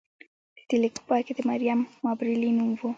د دې لیک په پای کې د مریم مابرلي نوم و